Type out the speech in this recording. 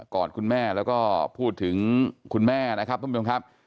อดคุณแม่แล้วก็พูดถึงคุณแม่นะครับท่านผู้ชมครับ